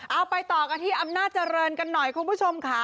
เอาไปต่อกันที่อำนาจเจริญกันหน่อยคุณผู้ชมค่ะ